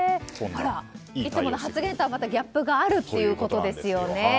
いつもの発言とはまたギャップがあるということですよね。